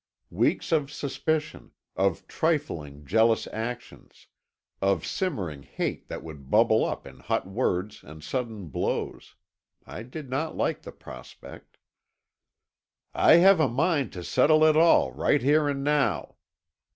Weeks of suspicion, of trifling, jealous actions, of simmering hate that would bubble up in hot words and sudden blows; I did not like the prospect. "I have a mind to settle it all, right here and now!"